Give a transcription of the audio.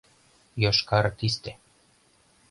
Йошкар тисте